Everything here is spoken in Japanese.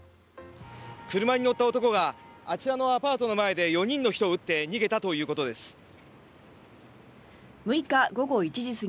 車に乗った男があちらのアパートの前で４人の人を撃って逃げたということです。